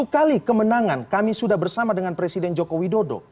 tujuh kali kemenangan kami sudah bersama dengan presiden jokowi dodo